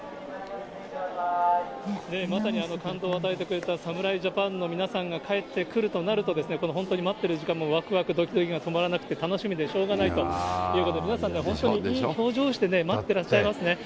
まさに感動を与えてくれた侍ジャパンの皆さんが帰ってくるとなると、この本当に、待ってる時間もわくわく、どきどきが止まらなくて楽しみでしょうがないということで、皆さんね、本当にいい表情して待ってらっしゃいますね。